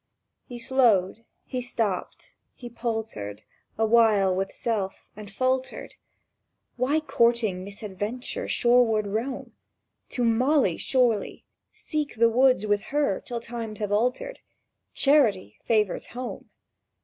He slowed; he stopped; he paltered Awhile with self, and faltered, "Why courting misadventure shoreward roam? To Molly, surely! Seek the woods with her till times have altered; Charity favours home.